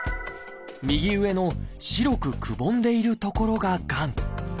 右上の白くくぼんでいる所ががん。